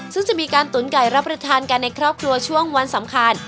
ซึ่งจะมีการตุ๋นไก่รับประทานกันในครอบครัวช่วงวันสำคัญ